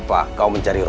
pasti acaba abaidade susah